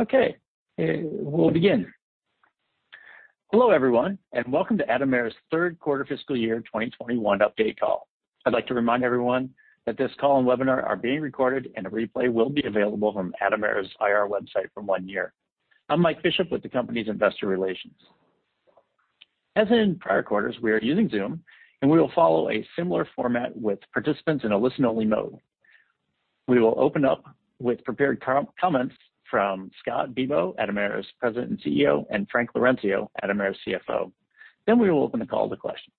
Okay, we'll begin. Hello, everyone, and welcome to Atomera's Third Quarter Fiscal Year 2021 Update Call. I'd like to remind everyone that this call and webinar are being recorded and a replay will be available from Atomera's IR website for one year. I'm Mike Bishop with the company's investor relations. As in prior quarters, we are using Zoom, and we will follow a similar format with participants in a listen-only mode. We will open up with prepared comments from Scott Bibaud, Atomera's President and CEO, and Frank Laurencio, Atomera's CFO. Then we will open the call to questions.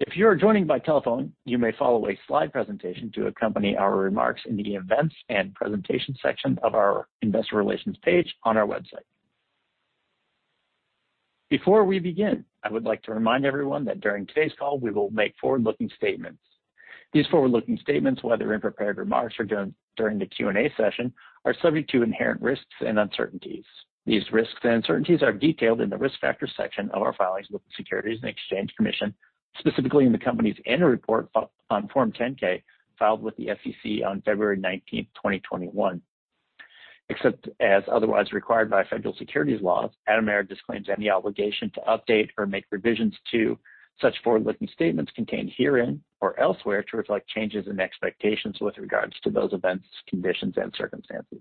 If you're joining by telephone, you may follow a slide presentation to accompany our remarks in the Events and Presentation section of our Investor Relations page on our website. Before we begin, I would like to remind everyone that during today's call, we will make forward-looking statements. These forward-looking statements, whether in prepared remarks or during the Q&A session, are subject to inherent risks and uncertainties. These risks and uncertainties are detailed in the Risk Factors section of our filings with the Securities and Exchange Commission, specifically in the company's annual report filed on Form 10-K, filed with the SEC on February 19th, 2021. Except as otherwise required by federal securities laws, Atomera disclaims any obligation to update or make revisions to such forward-looking statements contained herein or elsewhere to reflect changes in expectations with regards to those events, conditions, and circumstances.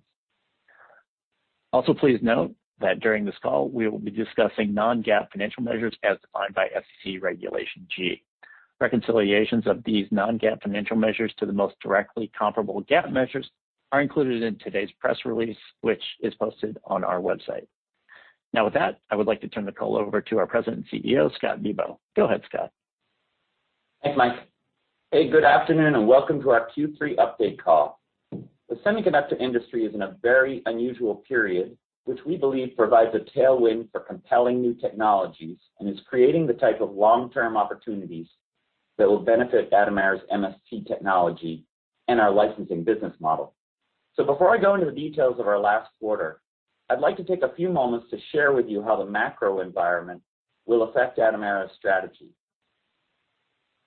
Also, please note that during this call, we will be discussing non-GAAP financial measures as defined by SEC Regulation G. Reconciliations of these non-GAAP financial measures to the most directly comparable GAAP measures are included in today's press release, which is posted on our website. Now, with that, I would like to turn the call over to our President and CEO, Scott Bibaud. Go ahead, Scott. Thanks, Mike. Hey, good afternoon, and welcome to our Q3 update call. The semiconductor industry is in a very unusual period, which we believe provides a tailwind for compelling new technologies and is creating the type of long-term opportunities that will benefit Atomera's MST technology and our licensing business model. Before I go into the details of our last quarter, I'd like to take a few moments to share with you how the macro environment will affect Atomera's strategy.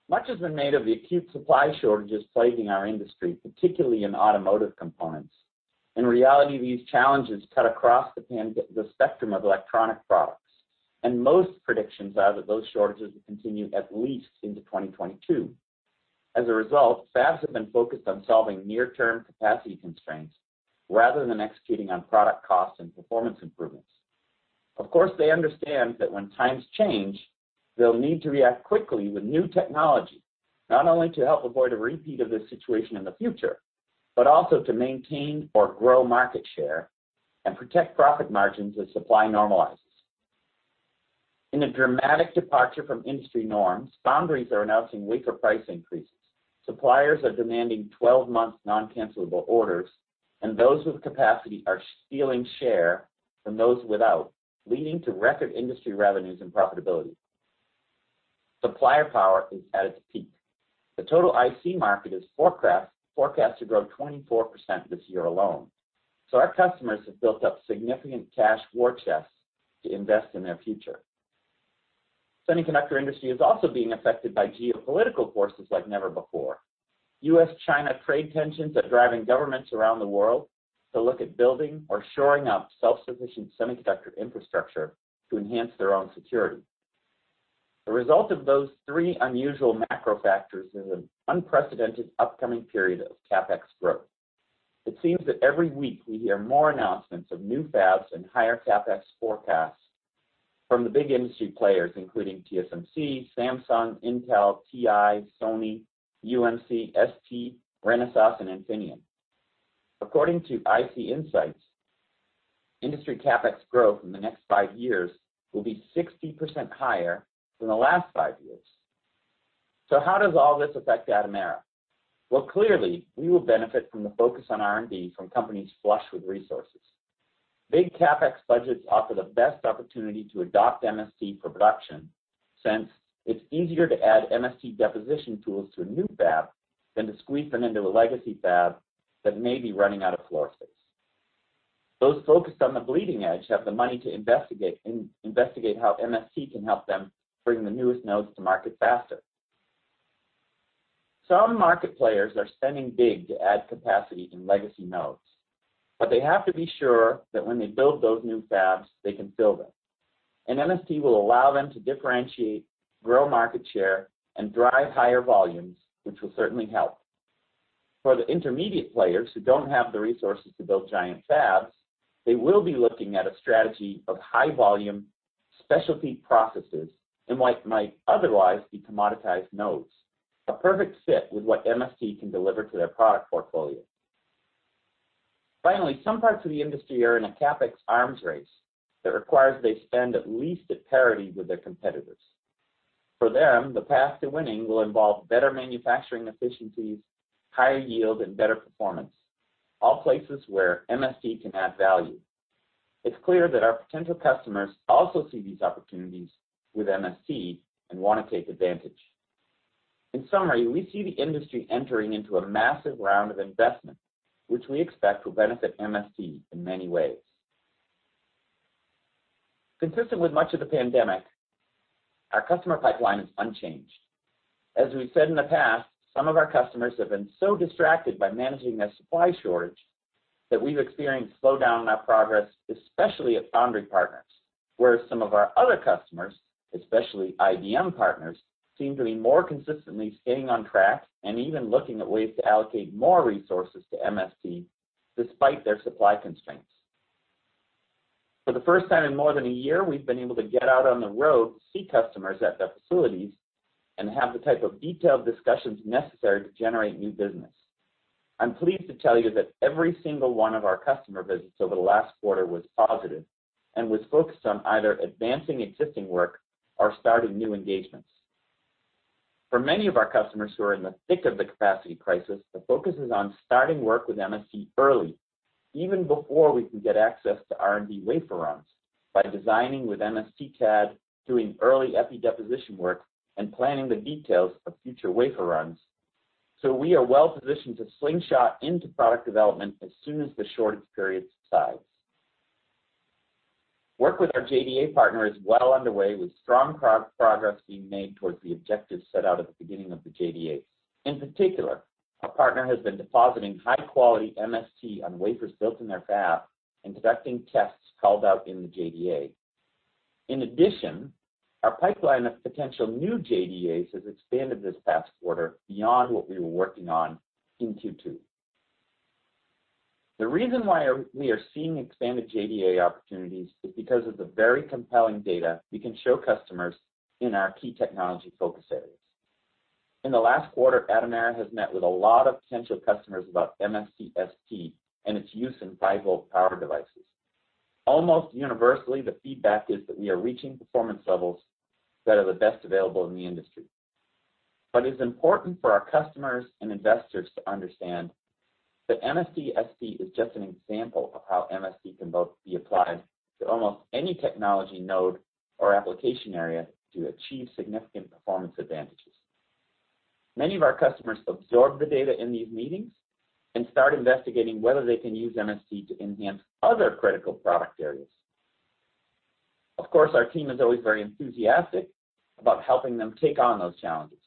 Much has been made of the acute supply shortages plaguing our industry, particularly in automotive components. In reality, these challenges cut across the spectrum of electronic products, and most predictions are that those shortages will continue at least into 2022. As a result, fabs have been focused on solving near-term capacity constraints rather than executing on product costs and performance improvements. Of course, they understand that when times change, they'll need to react quickly with new technology, not only to help avoid a repeat of this situation in the future, but also to maintain or grow market share and protect profit margins as supply normalizes. In a dramatic departure from industry norms, foundries are announcing wafer price increases. Suppliers are demanding 12-month non-cancellable orders, and those with capacity are stealing share from those without, leading to record industry revenues and profitability. Supplier power is at its peak. The total IC market is forecast to grow 24% this year alone, so our customers have built up significant cash war chests to invest in their future. Semiconductor industry is also being affected by geopolitical forces like never before. U.S.-China trade tensions are driving governments around the world to look at building or shoring up self-sufficient semiconductor infrastructure to enhance their own security. The result of those three unusual macro factors is an unprecedented upcoming period of CapEx growth. It seems that every week we hear more announcements of new fabs and higher CapEx forecasts from the big industry players, including TSMC, Samsung, Intel, TI, Sony, UMC, ST, Renesas, and Infineon. According to IC Insights, industry CapEx growth in the next five years will be 60% higher than the last five years. How does all this affect Atomera? Well, clearly, we will benefit from the focus on R&D from companies flush with resources. Big CapEx budgets offer the best opportunity to adopt MST for production, since it's easier to add MST deposition tools to a new fab than to squeeze them into a legacy fab that may be running out of floor space. Those focused on the bleeding edge have the money to investigate how MST can help them bring the newest nodes to market faster. Some market players are spending big to add capacity in legacy nodes, but they have to be sure that when they build those new fabs, they can fill them. MST will allow them to differentiate, grow market share, and drive higher volumes, which will certainly help. For the intermediate players who don't have the resources to build giant fabs, they will be looking at a strategy of high volume specialty processes in what might otherwise be commoditized nodes, a perfect fit with what MST can deliver to their product portfolio. Finally, some parts of the industry are in a CapEx arms race that requires they spend at least at parity with their competitors. For them, the path to winning will involve better manufacturing efficiencies, higher yield, and better performance, all places where MST can add value. It's clear that our potential customers also see these opportunities with MST and wanna take advantage. In summary, we see the industry entering into a massive round of investment, which we expect will benefit MST in many ways. Consistent with much of the pandemic, our customer pipeline is unchanged. As we've said in the past, some of our customers have been so distracted by managing their supply shortage that we've experienced slowdown in our progress, especially at foundry partners, whereas some of our other customers, especially IBM partners, seem to be more consistently staying on track and even looking at ways to allocate more resources to MST despite their supply constraints. For the first time in more than a year, we've been able to get out on the road to see customers at their facilities and have the type of detailed discussions necessary to generate new business. I'm pleased to tell you that every single one of our customer visits over the last quarter was positive and was focused on either advancing existing work or starting new engagements. For many of our customers who are in the thick of the capacity crisis, the focus is on starting work with MST early, even before we can get access to R&D wafer runs, by designing with MSTcad, doing early epi deposition work, and planning the details of future wafer runs, so we are well positioned to slingshot into product development as soon as the shortage period subsides. Work with our JDA partner is well underway, with strong progress being made towards the objectives set out at the beginning of the JDA. In particular, our partner has been depositing high-quality MST on wafers built in their fab and conducting tests called out in the JDA. In addition, our pipeline of potential new JDAs has expanded this past quarter beyond what we were working on in Q2. The reason why we are seeing expanded JDA opportunities is because of the very compelling data we can show customers in our key technology focus areas. In the last quarter, Atomera has met with a lot of potential customers about MST-SP and its use in 5 V power devices. Almost universally, the feedback is that we are reaching performance levels that are the best available in the industry. It's important for our customers and investors to understand that MST-SP is just an example of how MST can both be applied to almost any technology node or application area to achieve significant performance advantages. Many of our customers absorb the data in these meetings and start investigating whether they can use MST to enhance other critical product areas. Of course, our team is always very enthusiastic about helping them take on those challenges.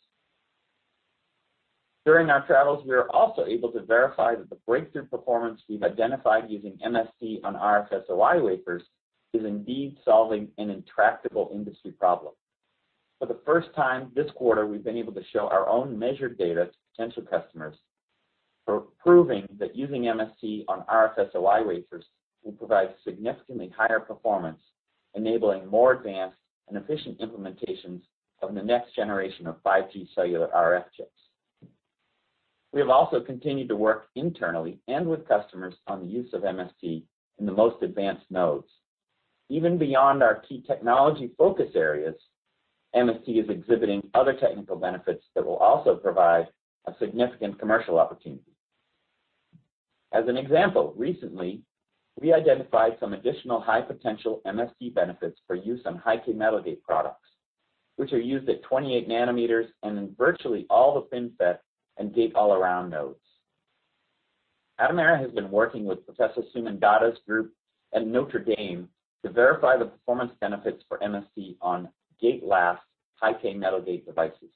During our travels, we were also able to verify that the breakthrough performance we've identified using MST on RFSOI wafers is indeed solving an intractable industry problem. For the first time this quarter, we've been able to show our own measured data to potential customers for proving that using MST on RFSOI wafers will provide significantly higher performance, enabling more advanced and efficient implementations of the next generation of 5G cellular RF chips. We have also continued to work internally and with customers on the use of MST in the most advanced nodes. Even beyond our key technology focus areas, MST is exhibiting other technical benefits that will also provide a significant commercial opportunity. As an example, recently, we identified some additional high-potential MST benefits for use on high-k metal gate products, which are used at 28 nanometers and in virtually all the FinFET and Gate-All-Around nodes. Atomera has been working with Professor Suman Datta's group at Notre Dame to verify the performance benefits for MST on gate-last high-k metal gate devices.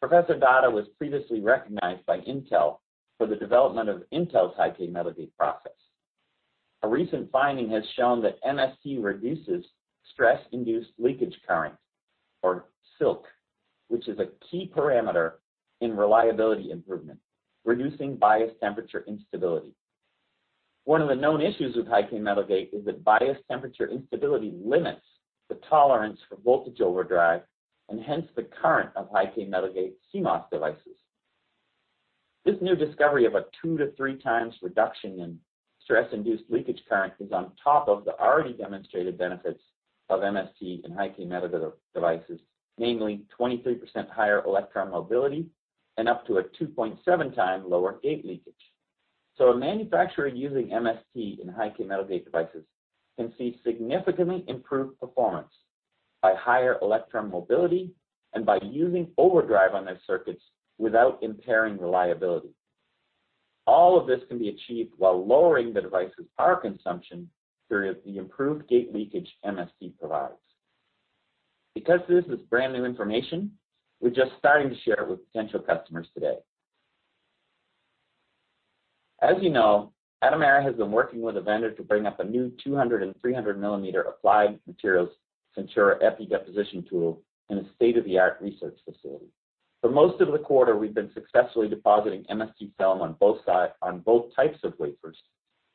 Professor Datta was previously recognized by Intel for the development of Intel's high-k metal gate process. A recent finding has shown that MST reduces stress-induced leakage current, or SILC, which is a key parameter in reliability improvement, reducing bias temperature instability. One of the known issues with high-k metal gate is that bias temperature instability limits the tolerance for voltage overdrive and hence the current of high-k metal gate CMOS devices. This new discovery of a 2x to 3x reduction in stress-induced leakage current is on top of the already demonstrated benefits of MST in high-k metal devices, namely 23% higher electron mobility and up to a 2.7x lower gate leakage. A manufacturer using MST in high-k metal gate devices can see significantly improved performance by higher electron mobility and by using overdrive on their circuits without impairing reliability. All of this can be achieved while lowering the device's power consumption through the improved gate leakage MST provides. Because this is brand-new information, we're just starting to share it with potential customers today. As you know, Atomera has been working with a vendor to bring up a new 200 mm and 300 mm Applied Materials Centura Epi deposition tool in a state-of-the-art research facility. For most of the quarter, we've been successfully depositing MST film on both types of wafers,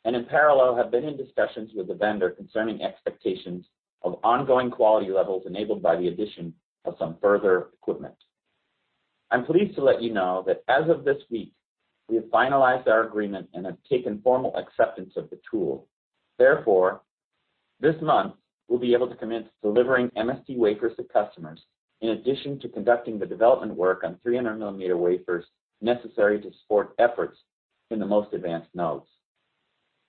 and in parallel have been in discussions with the vendor concerning expectations of ongoing quality levels enabled by the addition of some further equipment. I'm pleased to let you know that as of this week, we have finalized our agreement and have taken formal acceptance of the tool. Therefore, this month we'll be able to commence delivering MST wafers to customers in addition to conducting the development work on 300 mm wafers necessary to support efforts in the most advanced nodes.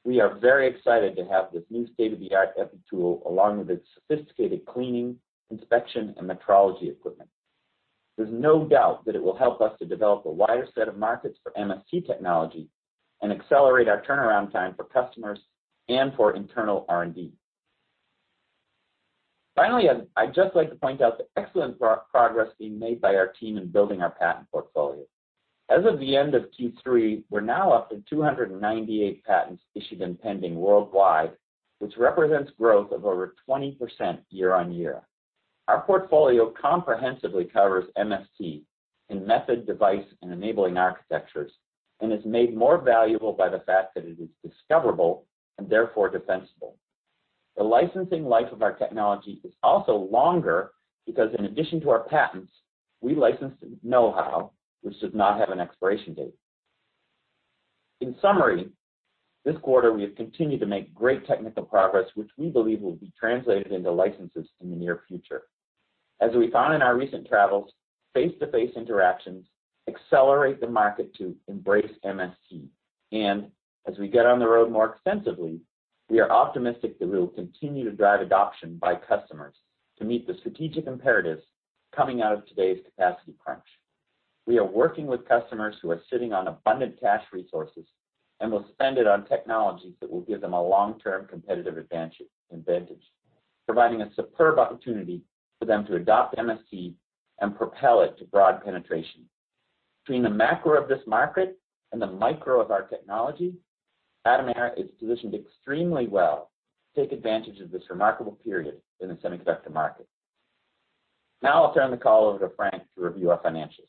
We are very excited to have this new state-of-the-art epi tool along with its sophisticated cleaning, inspection, and metrology equipment. There's no doubt that it will help us to develop a wider set of markets for MST technology and accelerate our turnaround time for customers and for internal R&D. Finally, I'd just like to point out the excellent progress being made by our team in building our patent portfolio. As of the end of Q3, we're now up to 298 patents issued and pending worldwide, which represents growth of over 20% year-on-year. Our portfolio comprehensively covers MST in method, device, and enabling architectures, and is made more valuable by the fact that it is discoverable and therefore defensible. The licensing life of our technology is also longer because in addition to our patents, we license know-how, which does not have an expiration date. In summary, this quarter we have continued to make great technical progress, which we believe will be translated into licenses in the near future. As we found in our recent travels, face-to-face interactions accelerate the market to embrace MST. As we get on the road more extensively, we are optimistic that we will continue to drive adoption by customers to meet the strategic imperatives coming out of today's capacity crunch. We are working with customers who are sitting on abundant cash resources and will spend it on technologies that will give them a long-term competitive advantage, providing a superb opportunity for them to adopt MST and propel it to broad penetration. Between the macro of this market and the micro of our technology, Atomera is positioned extremely well to take advantage of this remarkable period in the semiconductor market. Now I'll turn the call over to Frank to review our financials.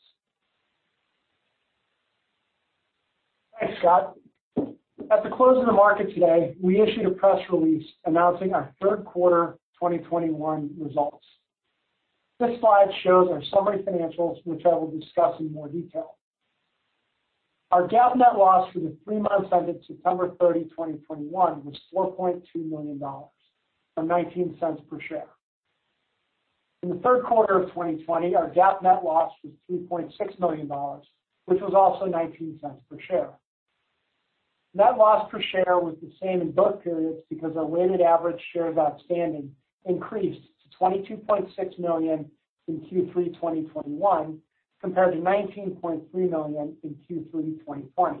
Thanks, Scott. At the close of the market today, we issued a press release announcing our third quarter 2021 results. This slide shows our summary financials, which I will discuss in more detail. Our GAAP net loss for the three months ended September 30, 2021 was $4.2 million, or $0.19 per share. In the third quarter of 2020, our GAAP net loss was $2.6 million, which was also $0.19 per share. Net loss per share was the same in both periods because our weighted average shares outstanding increased to $22.6 million in Q3 2021 compared to $19.3 million in Q3 2020.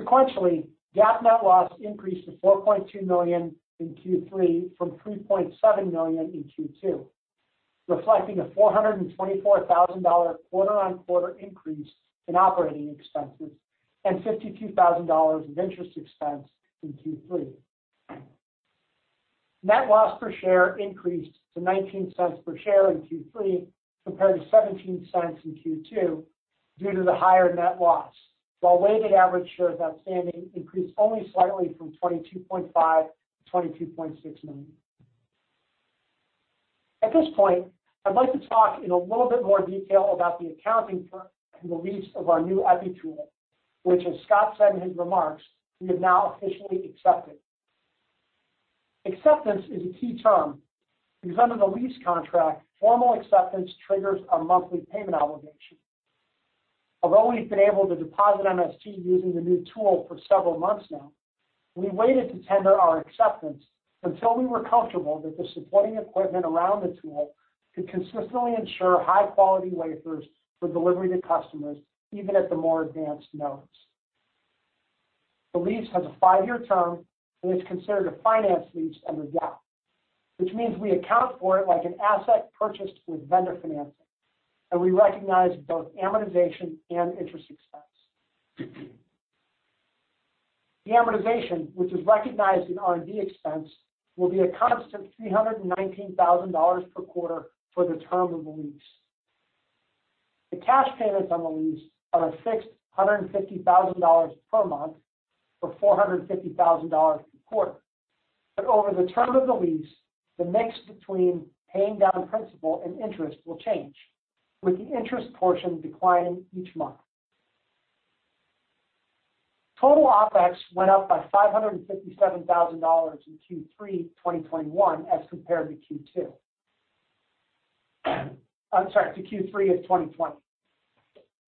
Sequentially, GAAP net loss increased to $4.2 million in Q3 from $3.7 million in Q2, reflecting a $424,000 quarter-over-quarter increase in operating expenses and $52,000 of interest expense in Q3. Net loss per share increased to $0.19 per share in Q3 compared to $0.17 in Q2 due to the higher net loss, while weighted average shares outstanding increased only slightly from $22.5 million- $22.6 million. At this point, I'd like to talk in a little bit more detail about the accounting for and the lease of our new EPI tool, which as Scott said in his remarks, we have now officially accepted. Acceptance is a key term because under the lease contract, formal acceptance triggers a monthly payment obligation. Although we've been able to deposit MST using the new tool for several months now, we waited to tender our acceptance until we were comfortable that the supporting equipment around the tool could consistently ensure high quality wafers for delivery to customers, even at the more advanced nodes. The lease has a five-year term, and it's considered a finance lease under GAAP, which means we account for it like an asset purchased with vendor financing, and we recognize both amortization and interest expense. The amortization, which is recognized in R&D expense, will be a constant $319,000 per quarter for the term of the lease. The cash payments on the lease are a fixed $150,000 per month for $450,000 per quarter. Over the term of the lease, the mix between paying down principal and interest will change, with the interest portion declining each month. Total OpEx went up by $557,000 in Q3 2021 as compared to Q2. I'm sorry, to Q3 of 2020.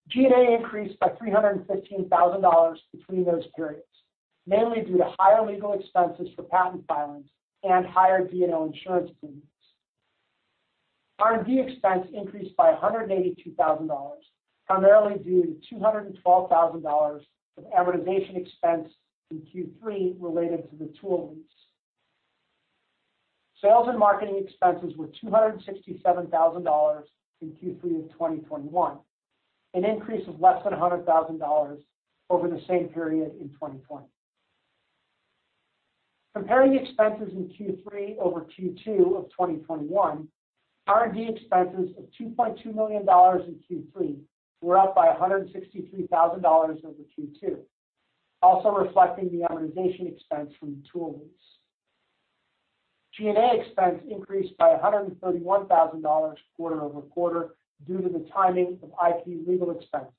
G&A increased by $315,000 between those periods, mainly due to higher legal expenses for patent filings and higher D&O insurance premiums. R&D expense increased by $182,000, primarily due to $212,000 of amortization expense in Q3 related to the tool lease. Sales and marketing expenses were $267,000 in Q3 of 2021, an increase of less than $100,000 over the same period in 2020. Comparing expenses in Q3 over Q2 of 2021, R&D expenses of $2.2 million in Q3 were up by $163,000 over Q2, also reflecting the amortization expense from the tool lease. G&A expense increased by $131,000 quarter-over-quarter due to the timing of IP legal expenses.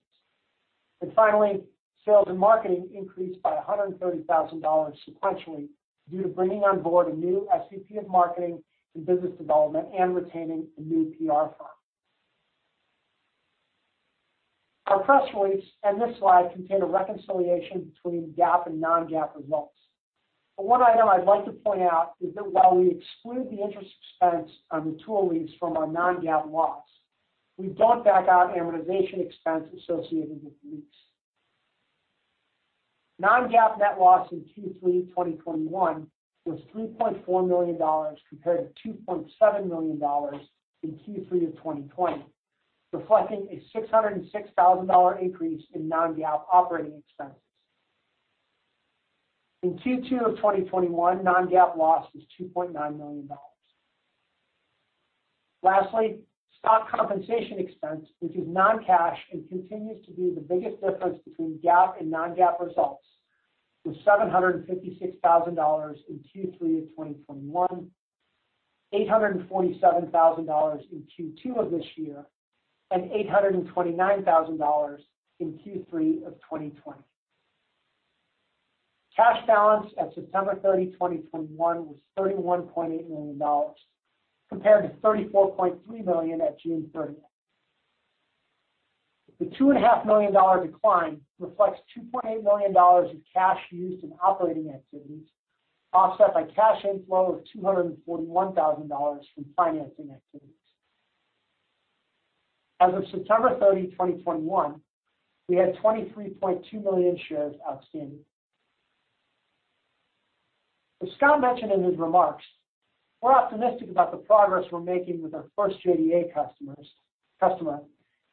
Sales and marketing increased by $130,000 sequentially due to bringing on board a new SVP of marketing and business development and retaining a new PR firm. Our press release and this slide contain a reconciliation between GAAP and non-GAAP results. One item I'd like to point out is that while we exclude the interest expense on the tool lease from our non-GAAP loss, we don't back out amortization expense associated with the lease. Non-GAAP net loss in Q3 2021 was $3.4 million compared to $2.7 million in Q3 of 2020, reflecting a $606,000 increase in non-GAAP operating expenses. In Q2 of 2021, non-GAAP loss was $2.9 million. Lastly, stock compensation expense, which is non-cash and continues to be the biggest difference between GAAP and non-GAAP results, was $756,000 in Q3 of 2021, $847,000 in Q2 of this year, and $829,000 in Q3 of 2020. Cash balance at September 30, 2021, was $31.8 million compared to $34.3 million at June 30. The $2.5 million decline reflects $2.8 million of cash used in operating activities, offset by cash inflow of $241,000 from financing activities. As of September 30, 2021, we had $23.2 million shares outstanding. As Scott mentioned in his remarks, we're optimistic about the progress we're making with our first JDA customer,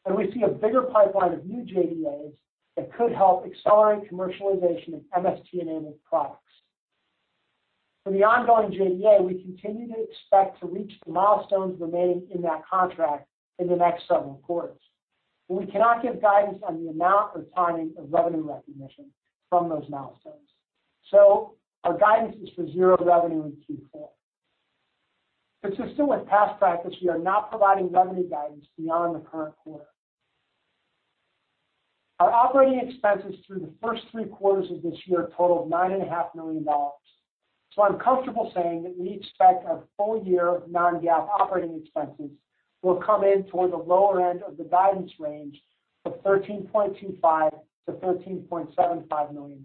and we see a bigger pipeline of new JDAs that could help accelerate commercialization of MST-enabled products. For the ongoing JDA, we continue to expect to reach the milestones remaining in that contract in the next several quarters, but we cannot give guidance on the amount or timing of revenue recognition from those milestones. Our guidance is for zero revenue in Q4. Consistent with past practice, we are not providing revenue guidance beyond the current quarter. Our operating expenses through the first three quarters of this year totaled $9.5 million. I'm comfortable saying that we expect our full year of non-GAAP operating expenses will come in toward the lower end of the guidance range of $13.25 million-$13.75 million.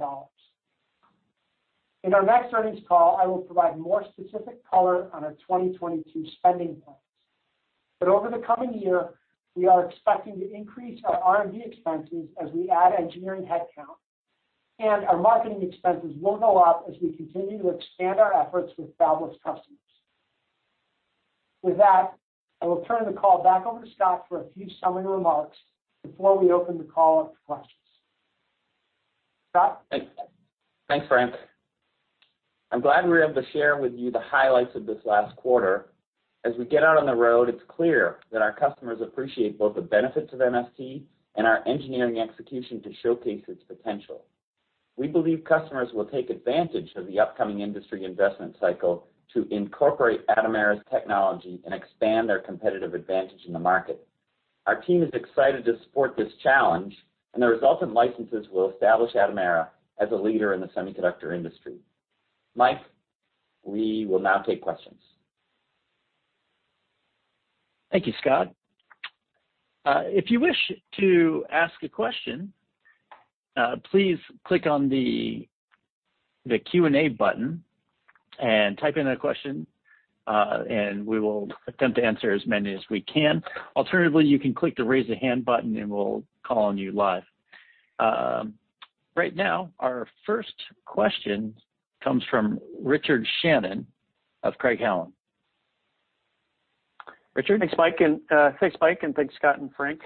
In our next earnings call, I will provide more specific color on our 2022 spending plans. Over the coming year, we are expecting to increase our R&D expenses as we add engineering headcount, and our marketing expenses will go up as we continue to expand our efforts with fabless customers. With that, I will turn the call back over to Scott for a few summary remarks before we open the call up to questions. Scott? Thanks. Thanks, Frank. I'm glad we were able to share with you the highlights of this last quarter. As we get out on the road, it's clear that our customers appreciate both the benefits of MST and our engineering execution to showcase its potential. We believe customers will take advantage of the upcoming industry investment cycle to incorporate Atomera's technology and expand their competitive advantage in the market. Our team is excited to support this challenge, and the resultant licenses will establish Atomera as a leader in the semiconductor industry. Mike, we will now take questions. Thank you, Scott. If you wish to ask a question, please click on the Q&A button and type in a question, and we will attempt to answer as many as we can. Alternatively, you can click the Raise a Hand button, and we'll call on you live. Right now, our first question comes from Richard Shannon of Craig-Hallum. Richard? Thanks, Mike, and thanks, Scott and Frank.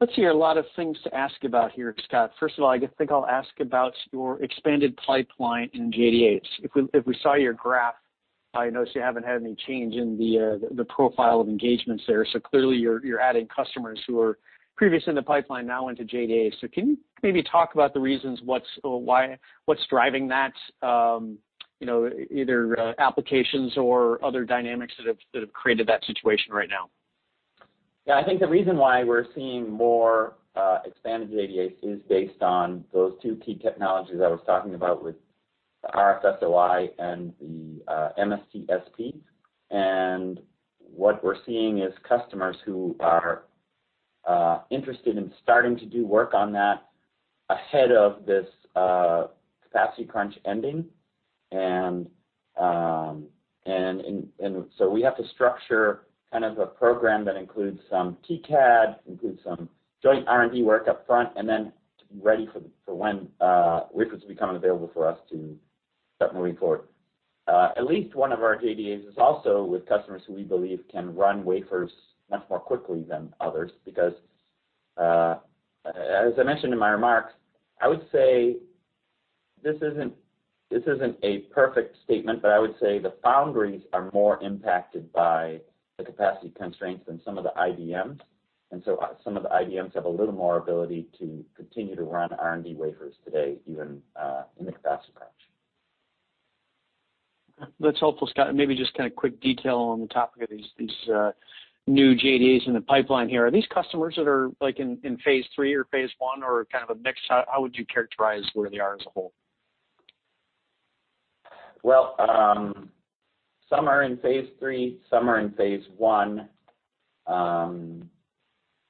Let's see, a lot of things to ask about here, Scott. First of all, I think I'll ask about your expanded pipeline in JDAs. If we saw your graph, I notice you haven't had any change in the profile of engagements there. Clearly you're adding customers who are previous in the pipeline now into JDAs. Can you maybe talk about the reasons, what's driving that, you know, either applications or other dynamics that have created that situation right now? Yeah. I think the reason why we're seeing more expanded JDAs is based on those two key technologies I was talking about with the RFSOI and the MST-SP. What we're seeing is customers who are interested in starting to do work on that ahead of this capacity crunch ending. We have to structure kind of a program that includes some TCAD, includes some joint R&D work up front, and then to be ready for when wafers become available for us to start moving forward. At least one of our JDAs is also with customers who we believe can run wafers much more quickly than others. Because as I mentioned in my remarks, I would say this isn't a perfect statement, but I would say the foundries are more impacted by the capacity constraints than some of the IDMs. Some of the IDMs have a little more ability to continue to run R&D wafers today, even in the capacity crunch. That's helpful, Scott. Maybe just kind of quick detail on the topic of these new JDAs in the pipeline here. Are these customers that are, like, in phase three or phase one or kind of a mix? How would you characterize where they are as a whole? Well, some are in phase three, some are in phase one.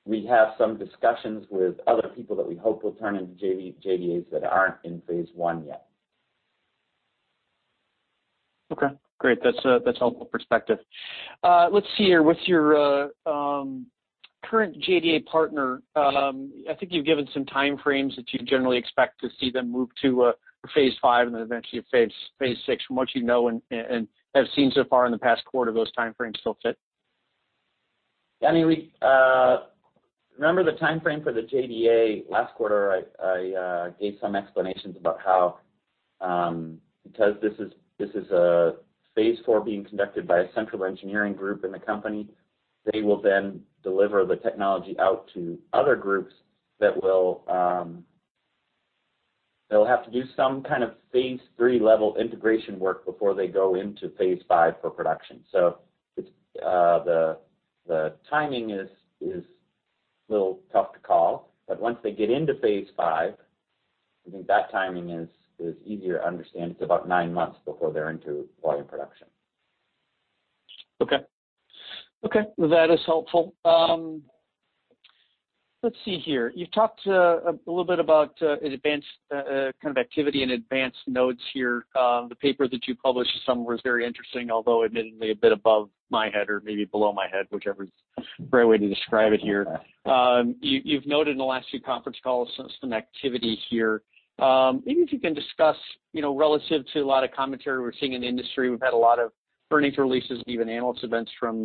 We have some discussions with other people that we hope will turn into JDAs that aren't in phase one yet. Okay, great. That's helpful perspective. Let's see here. With your current JDA partner, I think you've given some time frames that you generally expect to see them move to phase five and then eventually phase six. From what you know and have seen so far in the past quarter, those time frames still fit? I mean, remember the time frame for the JDA last quarter, I gave some explanations about how, because this is a phase four being conducted by a central engineering group in the company, they will then deliver the technology out to other groups that will, they'll have to do some kind of phase three level integration work before they go into phase five for production. It's the timing is a little tough to call. Once they get into phase five, I think that timing is easier to understand. It's about nine months before they're into volume production. Okay. Okay, that is helpful. Let's see here. You've talked a little bit about advanced kind of activity in advanced nodes here. The paper that you published somewhere is very interesting, although admittedly a bit above my head or maybe below my head, whichever is the right way to describe it here. Okay. You've noted in the last few conference calls some activity here. Maybe if you can discuss, you know, relative to a lot of commentary we're seeing in the industry, we've had a lot of earnings releases and even analyst events from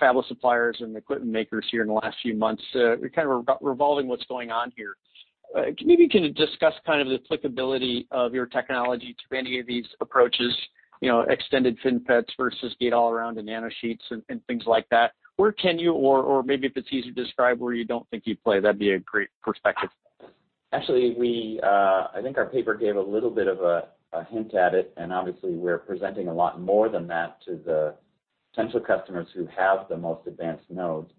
fabless suppliers and equipment makers here in the last few months, kind of revolving what's going on here. Maybe you can discuss kind of the applicability of your technology to any of these approaches, you know, extended FinFET versus Gate-All-Around and nanosheets and things like that. Where can you or maybe if it's easy to describe where you don't think you play, that'd be a great perspective. Actually, we, I think our paper gave a little bit of a hint at it, and obviously we're presenting a lot more than that to the potential customers who have the most advanced nodes.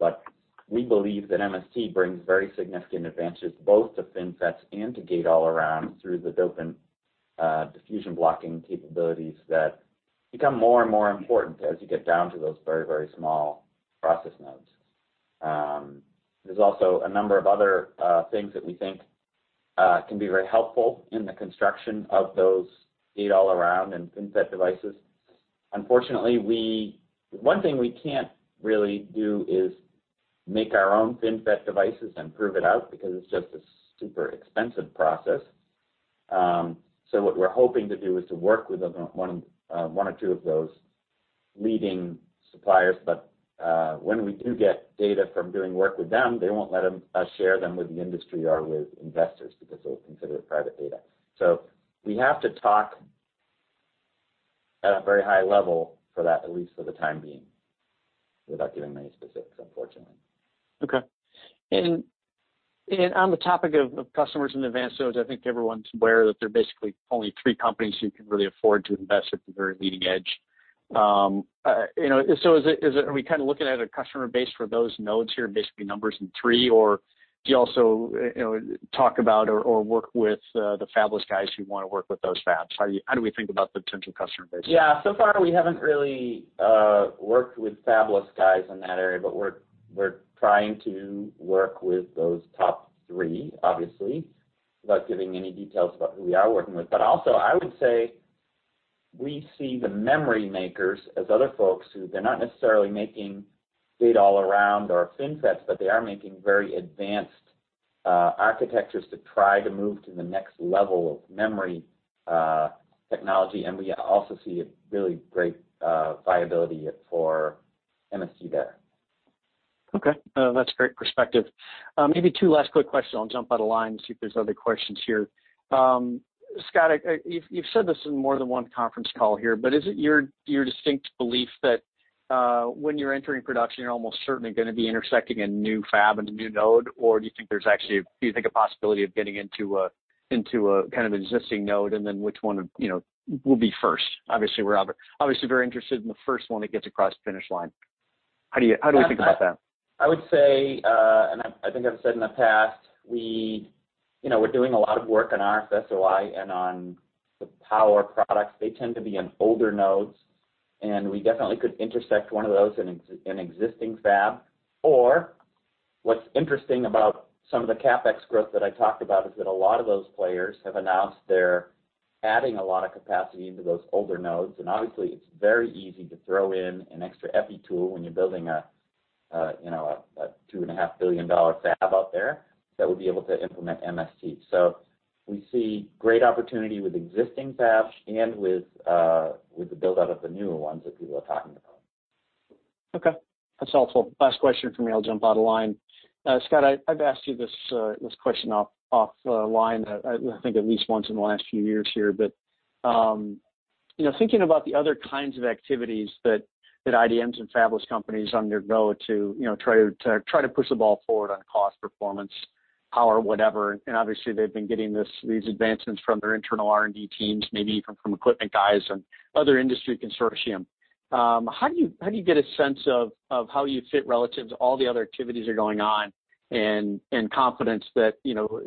We believe that MST brings very significant advantages, both to FinFET and to Gate-All-Around through the dopant diffusion blocking capabilities that become more and more important as you get down to those very, very small process nodes. There's also a number of other things that we think can be very helpful in the construction of those Gate-All-Around and FinFET devices. Unfortunately, one thing we can't really do is make our own FinFET devices and prove it out because it's just a super expensive process. What we're hoping to do is to work with one or two of those leading suppliers. when we do get data from doing work with them, they won't let us share them with the industry or with investors because they'll consider it private data. We have to talk at a very high level for that, at least for the time being, without giving any specifics, unfortunately. Okay. On the topic of customers in advanced nodes, I think everyone's aware that there are basically only three companies who can really afford to invest at the very leading edge. You know, are we kind of looking at a customer base for those nodes here, basically numbering three? Or do you also, you know, talk about or work with the fabless guys who wanna work with those fabs? How do we think about the potential customer base there? So far we haven't really worked with fabless guys in that area, but we're trying to work with those top three, obviously, without giving any details about who we are working with. But also, I would say we see the memory makers as other folks who they're not necessarily making Gate-All-Around or FinFET, but they are making very advanced architectures to try to move to the next level of memory technology. We also see a really great viability for MST there. Okay. No, that's great perspective. Maybe two last quick questions, I'll jump out of line and see if there's other questions here. Scott, you've said this in more than one conference call here, but is it your distinct belief that, when you're entering production, you're almost certainly gonna be intersecting a new fab and a new node? Or do you think there's actually a possibility of getting into a kind of existing node, and then which one of, you know, will be first? Obviously, we're obviously very interested in the first one that gets across the finish line. How do we think about that? I would say, and I think I've said in the past, we, you know, we're doing a lot of work on RF SOI and on the power products. They tend to be in older nodes, and we definitely could intersect one of those in existing fab. What's interesting about some of the CapEx growth that I talked about is that a lot of those players have announced they're adding a lot of capacity into those older nodes. Obviously, it's very easy to throw in an extra EPI tool when you're building a you know, a $2.5 billion fab out there that would be able to implement MST. We see great opportunity with existing fabs and with the build out of the newer ones that people are talking about. Okay. That's helpful. Last question from me, I'll jump out of line. Scott, I've asked you this question off line, I think at least once in the last few years here. You know, thinking about the other kinds of activities that IDMs and fabless companies undergo to try to push the ball forward on cost, performance, power, whatever, and obviously they've been getting these advancements from their internal R&D teams, maybe even from equipment guys and other industry consortium. How do you get a sense of how you fit relative to all the other activities that are going on and confidence that, you know,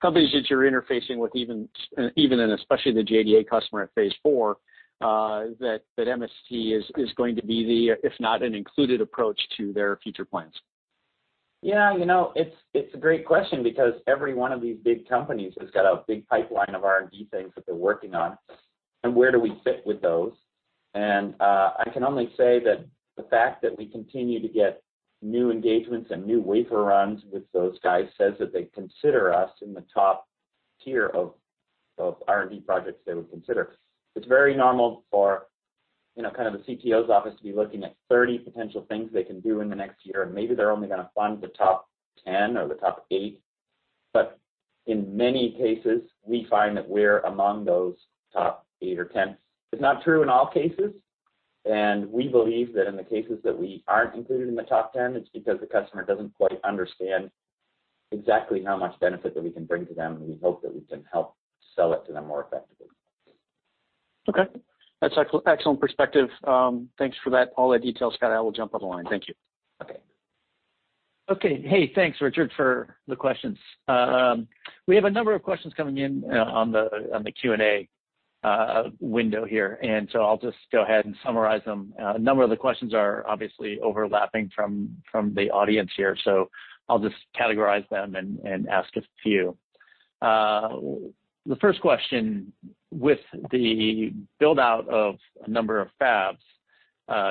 companies that you're interfacing with, even in, especially the JDA customer at phase four, that MST is going to be the, if not an included approach to their future plans? Yeah, you know, it's a great question because every one of these big companies has got a big pipeline of R&D things that they're working on, and where do we fit with those? I can only say that the fact that we continue to get new engagements and new wafer runs with those guys says that they consider us in the top tier of R&D projects they would consider. It's very normal for, you know, kind of a CTO's office to be looking at 30 potential things they can do in the next year, and maybe they're only gonna fund the top 10 or the top eight. In many cases, we find that we're among those top eight or 10. It's not true in all cases, and we believe that in the cases that we aren't included in the top ten, it's because the customer doesn't quite understand exactly how much benefit that we can bring to them, and we hope that we can help sell it to them more effectively. Okay. That's excellent perspective. Thanks for that, all the details, Scott. I will jump on the line. Thank you. Okay. Okay. Hey, thanks, Richard, for the questions. We have a number of questions coming in on the Q&A window here, and so I'll just go ahead and summarize them. A number of the questions are obviously overlapping from the audience here, so I'll just categorize them and ask a few. The first question, with the build-out of a number of fabs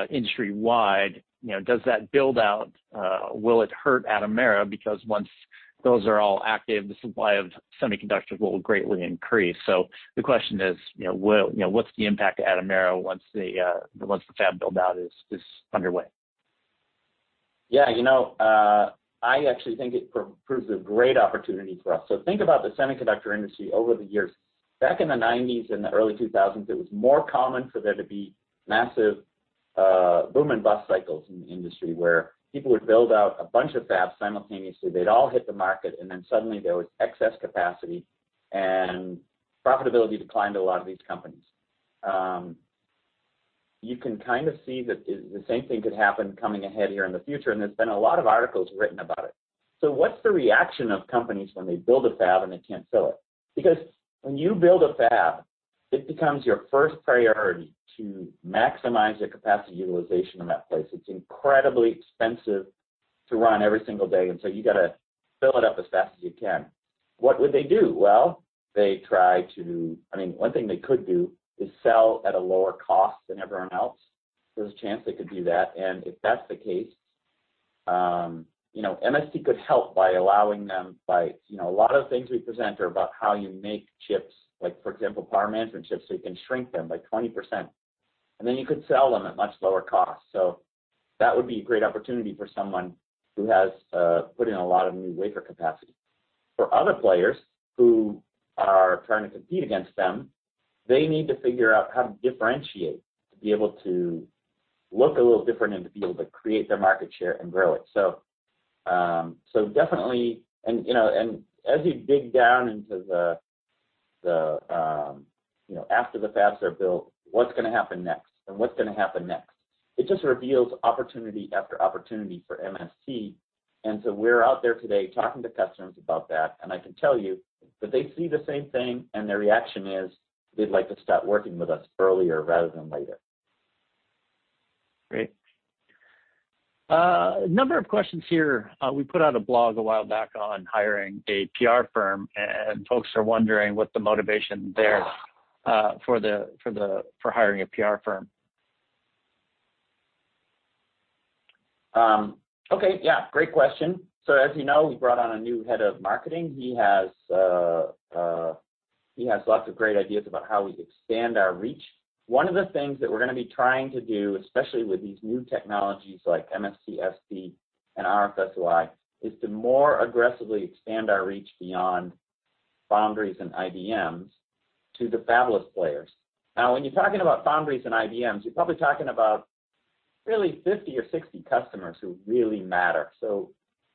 industry-wide, you know, does that build-out will it hurt Atomera? Because once those are all active, the supply of semiconductors will greatly increase. The question is, you know, what's the impact to Atomera once the fab build-out is underway? Yeah, you know, I actually think it proves a great opportunity for us. Think about the semiconductor industry over the years. Back in the 1990's and the early 2000's, it was more common for there to be massive boom and bust cycles in the industry where people would build out a bunch of fabs simultaneously. They'd all hit the market, and then suddenly there was excess capacity, and profitability declined at a lot of these companies. You can kind of see that the same thing could happen coming ahead here in the future, and there's been a lot of articles written about it. What's the reaction of companies when they build a fab and they can't sell it? Because when you build a fab, it becomes your first priority to maximize the capacity utilization in that place. It's incredibly expensive to run every single day. You gotta fill it up as fast as you can. What would they do? Well, I mean, one thing they could do is sell at a lower cost than everyone else. There's a chance they could do that, and if that's the case, you know, MST could help by allowing them, you know, a lot of things we present are about how you make chips, like, for example, power management chips, so you can shrink them by 20%. Then you could sell them at much lower cost. That would be a great opportunity for someone who has put in a lot of new wafer capacity. For other players who are trying to compete against them, they need to figure out how to differentiate, to be able to look a little different and to be able to create their market share and grow it. Definitely, you know, as you dig down into the you know after the fabs are built, what's gonna happen next? It just reveals opportunity after opportunity for MST. We're out there today talking to customers about that, and I can tell you that they see the same thing, and their reaction is they'd like to start working with us earlier rather than later. Great. A number of questions here. We put out a blog a while back on hiring a PR firm, and folks are wondering what the motivation there for hiring a PR firm. Okay. Yeah, great question. As you know, we brought on a new head of marketing. He has lots of great ideas about how we expand our reach. One of the things that we're gonna be trying to do, especially with these new technologies like MST, SP, and RFSOI, is to more aggressively expand our reach beyond foundries and IDMs to the fabless players. Now, when you're talking about foundries and IDMs, you're probably talking about really 50 or 60 customers who really matter.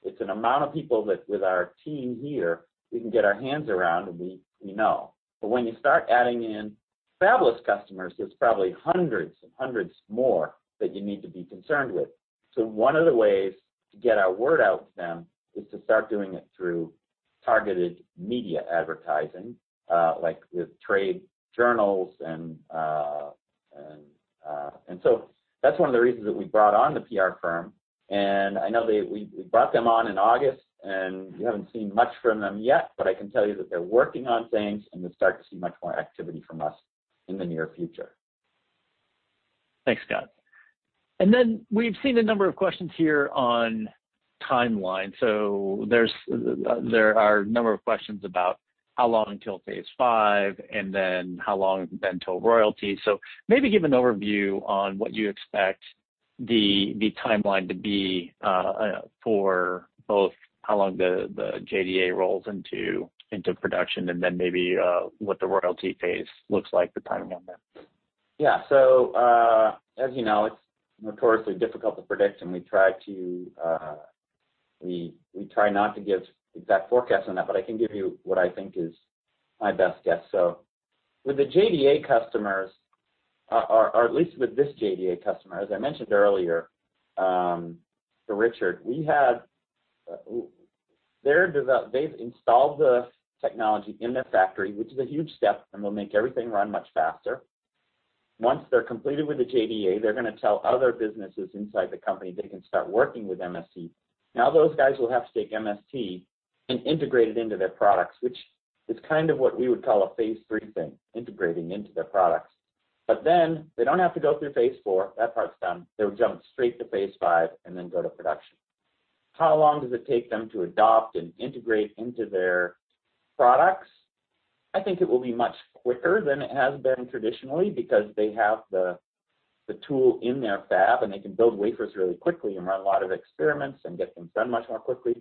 It's an amount of people that with our team here, we can get our hands around, and we know. When you start adding in fabless customers, there's probably hundreds and hundreds more that you need to be concerned with. One of the ways to get our word out to them is to start doing it through targeted media advertising, like with trade journals and. That's one of the reasons that we brought on the PR firm. I know we brought them on in August, and we haven't seen much from them yet, but I can tell you that they're working on things, and we'll start to see much more activity from us in the near future. Thanks, Scott. We've seen a number of questions here on timeline. There are a number of questions about how long till phase five and then how long then till royalty. Maybe give an overview on what you expect the timeline to be for both how long the JDA rolls into production and then what the royalty phase looks like, the timing on that. As you know, it's notoriously difficult to predict, and we try not to give exact forecasts on that, but I can give you what I think is my best guess. With the JDA customers, or at least with this JDA customer, as I mentioned earlier to Richard, we have, they've installed the technology in their factory, which is a huge step, and will make everything run much faster. Once they're completed with the JDA, they're gonna tell other businesses inside the company they can start working with MST. Now, those guys will have to take MST and integrate it into their products, which is kind of what we would call a phase three thing, integrating into their products. They don't have to go through phase four. That part's done. They'll jump straight to phase five, and then go to production. How long does it take them to adopt and integrate into their products? I think it will be much quicker than it has been traditionally because they have the tool in their fab, and they can build wafers really quickly and run a lot of experiments and get them done much more quickly.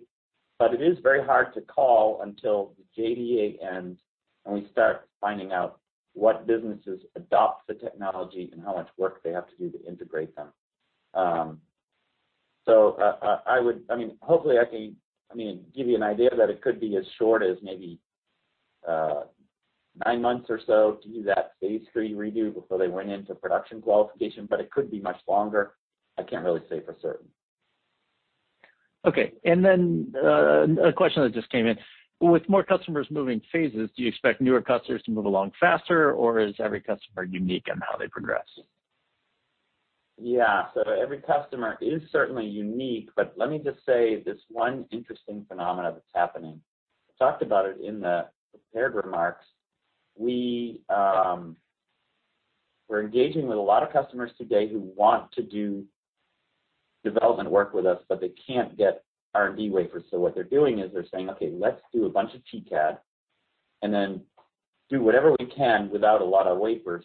It is very hard to call until the JDA ends, and we start finding out what businesses adopt the technology and how much work they have to do to integrate them. I mean, hopefully, I can, I mean, give you an idea that it could be as short as maybe nine months or so to do that phase three redo before they went into production qualification, but it could be much longer. I can't really say for certain. Okay. A question that just came in, with more customers moving phases, do you expect newer customers to move along faster, or is every customer unique in how they progress? Yeah. Every customer is certainly unique, but let me just say this one interesting phenomenon that's happening. I talked about it in the prepared remarks. We're engaging with a lot of customers today who want to do development work with us, but they can't get R&D wafers. What they're doing is they're saying, "Okay, let's do a bunch of TCAD, and then do whatever we can without a lot of wafers.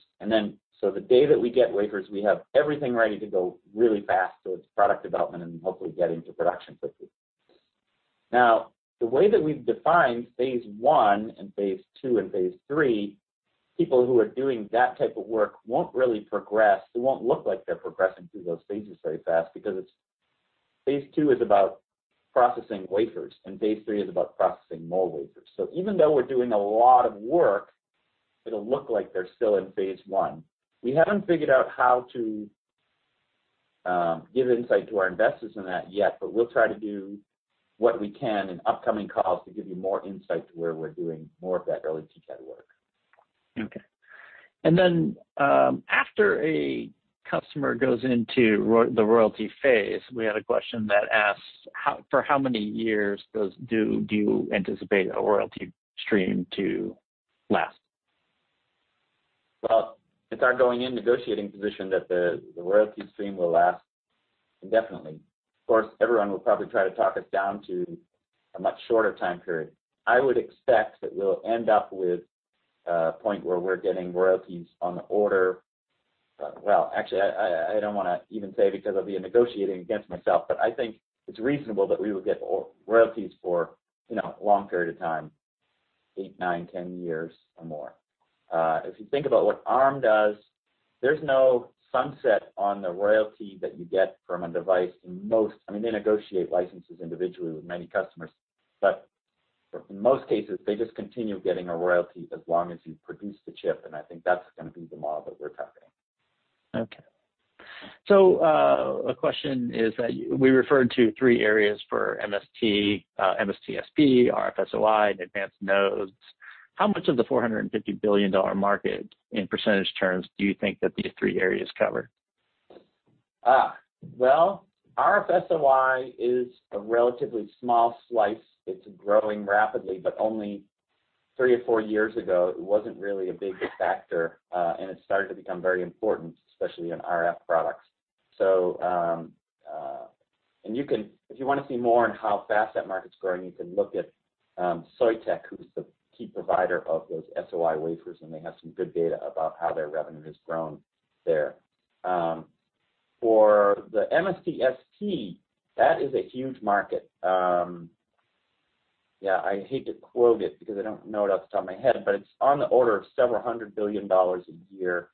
The day that we get wafers, we have everything ready to go really fast towards product development and hopefully get into production quickly." Now, the way that we've defined phase one and phase two and phase three, people who are doing that type of work won't really progress. It won't look like they're progressing through those phases very fast because phase two is about processing wafers, and phase three is about processing more wafers. Even though we're doing a lot of work, it'll look like they're still in phase one. We haven't figured out how to give insight to our investors on that yet, but we'll try to do what we can in upcoming calls to give you more insight into where we're doing more of that early TCAD work. After a customer goes into the royalty phase, we had a question that asks for how many years do you anticipate a royalty stream to last? It's our going in negotiating position that the royalty stream will last indefinitely. Of course, everyone will probably try to talk us down to a much shorter time period. I would expect that we'll end up with a point where we're getting royalties on the order. Actually, I don't wanna even say because I'll be negotiating against myself, but I think it's reasonable that we would get royalties for, you know, a long period of time, eight, nine, 10 years or more. If you think about what Arm does, there's no sunset on the royalty that you get from a device in most. I mean, they negotiate licenses individually with many customers. In most cases, they just continue getting a royalty as long as you produce the chip, and I think that's gonna be the model that we're targeting. A question is that we referred to three areas for MST-SP, RF SOI, and advanced nodes. How much of the $450 billion market in percentage terms do you think that these three areas cover? RF SOI is a relatively small slice. It's growing rapidly, but only three or four years ago, it wasn't really a big factor, and it started to become very important, especially in RF products. If you wanna see more on how fast that market's growing, you can look at Soitec, who's the key provider of those SOI wafers, and they have some good data about how their revenue has grown there. For the MST-SP, that is a huge market. I hate to quote it because I don't know it off the top of my head, but it's on the order of $several hundred billion a year.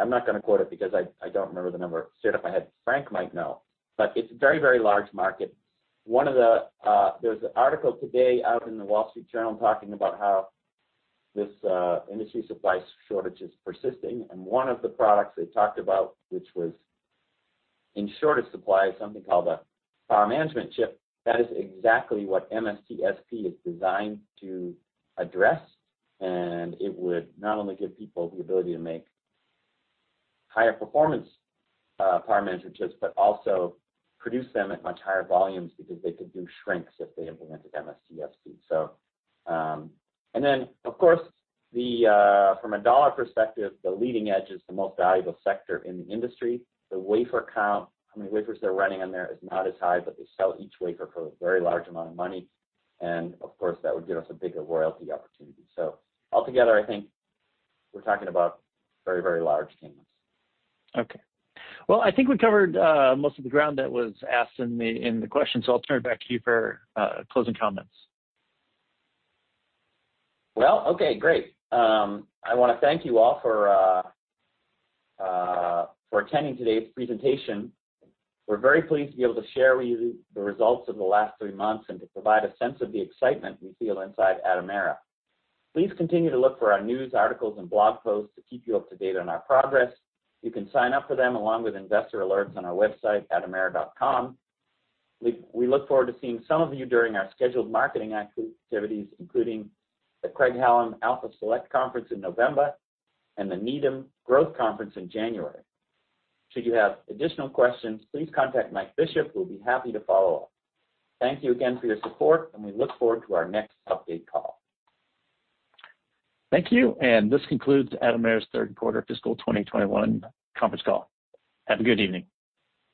I'm not gonna quote it because I don't remember the number straight off my head. Frank might know. It's a very, very large market. There's an article today out in The Wall Street Journal talking about how this industry supply shortage is persisting, and one of the products they talked about, which was in shorter supply, is something called a power management chip. That is exactly what MST-SP is designed to address. It would not only give people the ability to make higher performance power management chips, but also produce them at much higher volumes because they could do shrinks if they implemented MST SP. Of course, from a dollar perspective, the leading edge is the most valuable sector in the industry. The wafer count, how many wafers they're running on there is not as high, but they sell each wafer for a very large amount of money. Of course, that would give us a bigger royalty opportunity. Altogether, I think we're talking about very, very large gains. Okay. Well, I think we covered most of the ground that was asked in the questions, so I'll turn it back to you for closing comments. Well, okay, great. I wanna thank you all for attending today's presentation. We're very pleased to be able to share with you the results of the last three months and to provide a sense of the excitement we feel inside at Atomera. Please continue to look for our news articles and blog posts to keep you up to date on our progress. You can sign up for them along with investor alerts on our website, atomera.com. We look forward to seeing some of you during our scheduled marketing activities, including the Craig-Hallum Alpha Select Conference in November and the Needham Growth Conference in January. Should you have additional questions, please contact Mike Bishop, who will be happy to follow up. Thank you again for your support, and we look forward to our next update call. Thank you, and this concludes at Atomera's Third Quarter Fiscal 2021 Conference Call. Have a good evening.